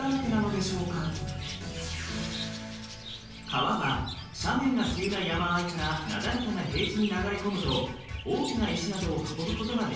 川は斜面が急な山あいからなだらかな平地に流れ込むと大きな石などを運ぶことができません。